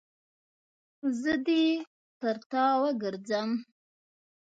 زه دې تر تا وګرځم.